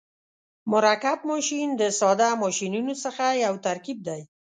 مرکب ماشین د ساده ماشینونو څخه یو ترکیب دی.